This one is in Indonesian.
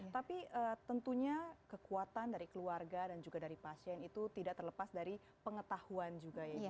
tapi tentunya kekuatan dari keluarga dan juga dari pasien itu tidak terlepas dari pengetahuan juga ya